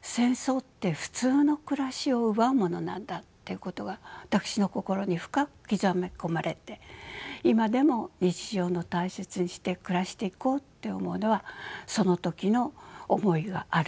戦争って普通の暮らしを奪うものなんだっていうことが私の心に深く刻み込まれて今でも日常を大切にして暮らしていこうって思うのはその時の思いがあるからです。